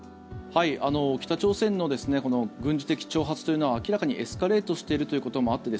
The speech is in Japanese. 北朝鮮のこの軍事的挑発というのは明らかにエスカレートしているということもあって